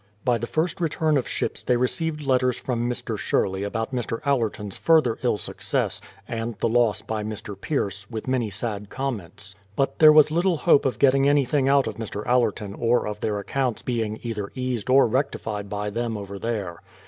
By the first return of ships they received letters from Mr. Sherley about Mr. Allerton's further ill success, and the loss by Mr. Pierce, with many sad comments. But there was little hope of getting anything out of Mr. Allerton or of their accounts being either eased or rectified by them over there.